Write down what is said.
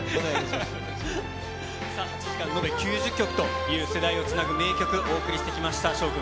さあ、８時間延べ９０曲という世代をつなぐ名曲、お送りしてきました。